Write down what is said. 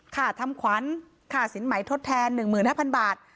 ค่าทำขวัญค่าสินไหมทดแทนหนึ่งหมื่นห้าพันบาท